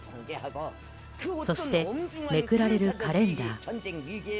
そして、めくられるカレンダー。